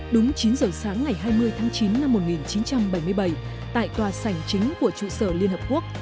đúng chín giờ sáng ngày hai mươi tháng chín năm một nghìn chín trăm bảy mươi bảy tại tòa sảnh chính của trụ sở liên hợp quốc